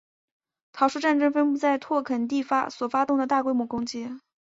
桃树战争分布的拓垦地所发动的大规模攻击。